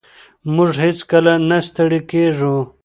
موږ هېڅکله نه ستړي کېږو.